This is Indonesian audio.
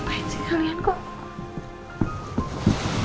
ngapain sih kalian kok